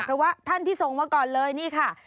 เพราะว่าท่านที่ส่งมาก่อนเลยนี่ค่ะ